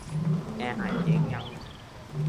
แอร์หายเจ๊งยัง